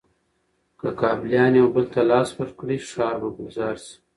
که کابليان یو بل ته لاس ورکړي، ښار به ګلزار شي.